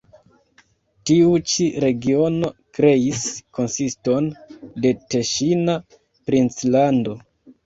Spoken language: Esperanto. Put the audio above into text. Tiu ĉi regiono kreis konsiston de teŝina princlando.